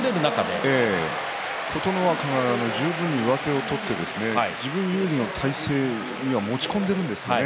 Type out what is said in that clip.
琴ノ若は十分に上手を取って自分有利の体勢には持ち込んでいるんですね。